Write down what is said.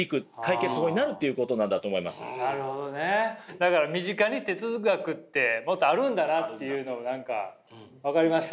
だから身近に哲学ってもっとあるんだなっていうのが分かりましたね。